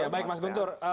ya baik mas guntur